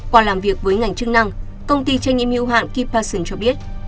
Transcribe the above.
qua làm việc với ngành chức năng công ty trách nhiệm hữu hạng knitpa sừng cho biết